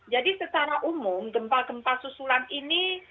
jadi secara umum gempa gempa susulan ini